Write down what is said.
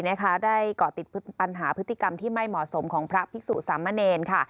ได้เกาะติดปัญหาพฤติกรรมที่ไม่เหมาะสมของพระภิกษุสามเณรค่ะ